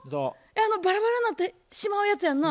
あのバラバラになってしまうやつやんな？